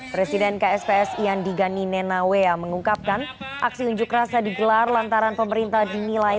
presiden kspsi andi gani nenawea mengungkapkan aksi unjuk rasa digelar lantaran pemerintah dinilai